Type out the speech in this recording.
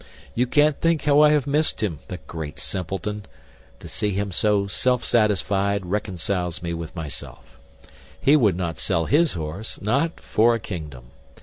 You can't think how I have missed him, the great simpleton. To see him so self satisfied reconciles me with myself. He would not sell his horse; not for a kingdom!